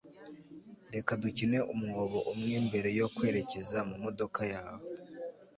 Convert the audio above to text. reka dukine umwobo umwe mbere yo kwerekeza mumodoka yawe